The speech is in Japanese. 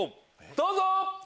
どうぞ！